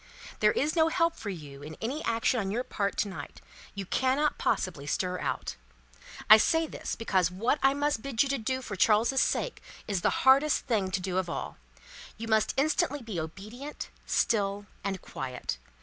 There is no help for you in any action on your part to night; you cannot possibly stir out. I say this, because what I must bid you to do for Charles's sake, is the hardest thing to do of all. You must instantly be obedient, still, and quiet.